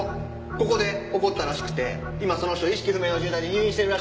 ここで起こったらしくて今その人意識不明の重体で入院してるらしいんですよ。